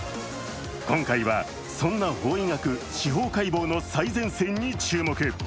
今回は、そんな法医学・司法解剖の最前線に注目。